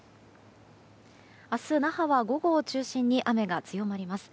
明日、那覇は午後を中心に雨が強まります。